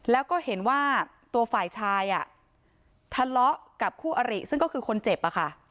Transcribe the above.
แล้วก็เห็นว่าตัวฝ่ายชายทะเลาะกับคู่อริซึ่งก็คือคนเจ็บอะค่ะ